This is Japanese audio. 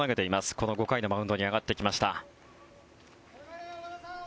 この５回のマウンドに上がってきました。